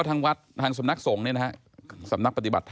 ทางสำนักสงฆ์นี้นะคะ